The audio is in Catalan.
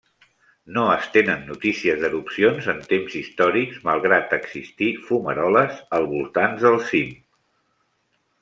No es tenen notícies d'erupcions en temps històrics, malgrat existir fumaroles als voltants del cim.